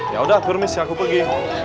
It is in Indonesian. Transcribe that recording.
yaudah turun mis aku pergi